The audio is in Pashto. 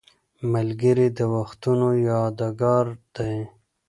ملګری د وختونو یادګار دی